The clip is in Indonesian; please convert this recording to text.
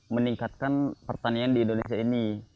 meningkatkan pertanian di indonesia ini